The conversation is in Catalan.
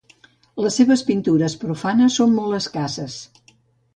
Les seves pintures profanes són molt escasses.